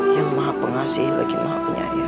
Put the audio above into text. yang maha pengasih lagi maha penyayang